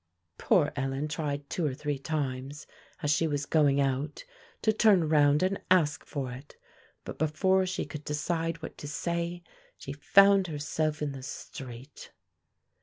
Poor Ellen tried two or three times, as she was going out, to turn round and ask for it; but before she could decide what to say, she found herself in the street.